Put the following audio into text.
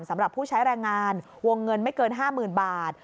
สำหรับผู้ใช้แรงงานวงเงินไม่เกิน๕๐๐๐บาท